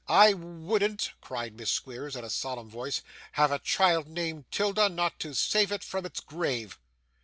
I wouldn't,' cried Miss Squeers in a solemn voice, 'have a child named 'Tilda, not to save it from its grave.